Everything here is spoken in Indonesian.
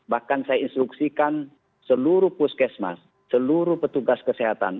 bahkan saya instruksikan seluruh puskesmas seluruh petugas kesehatan